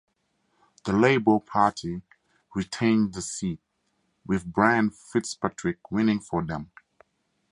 The Labour Party retained the seat with Brian Fitzpatrick winning for them.